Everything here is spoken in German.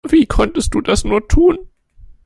Wie konntest du das nur tun?